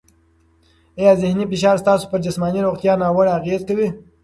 آیا ذهني فشار ستاسو پر جسماني روغتیا ناوړه اغېزه کوي؟